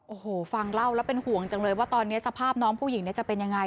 โอ้โหฟังเล่าแล้วเป็นห่วงจังเลยว่าตอนนี้สภาพน้องผู้หญิงจะเป็นยังไง